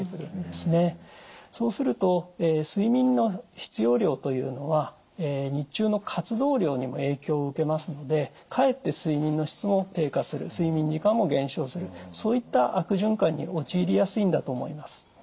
そうすると睡眠の必要量というのは日中の活動量にも影響を受けますのでかえって睡眠の質も低下する睡眠時間も減少するそういった悪循環に陥りやすいんだと思います。